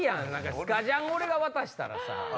スカジャン俺が渡したらさ。